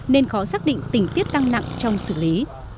nên khó xác định tình tiết tăng nặng trong xử lý